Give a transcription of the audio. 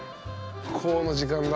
この時間だ。